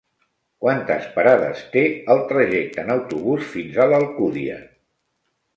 Quantes parades té el trajecte en autobús fins a l'Alcúdia?